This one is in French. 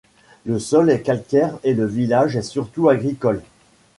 Le sol est calcaire et le village est surtout agricole.